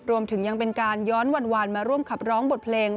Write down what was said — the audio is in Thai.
รวมถึงยังเป็นการย้อนวันมาร่วมขับร้องบทเพลง